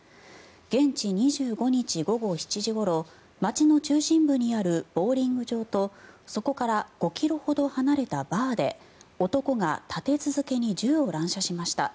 現地２５日午後７時ごろ街の中心部にあるボウリング場とそこから５ｋｍほど離れたバーで男が立て続けに銃を乱射しました。